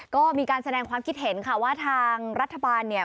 ก็มีการแสดงความคิดเห็นค่ะว่าทางรัฐบาลเนี่ย